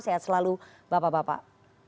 sehat selalu bapak bapak